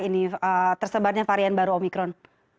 ini tersebarnya varian baru omikron